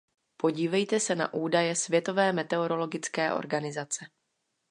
Podívejte se na údaje Světové meteorologické organizace.